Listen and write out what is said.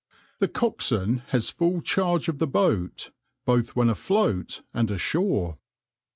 The coxswain has full charge of the boat, both when afloat and ashore.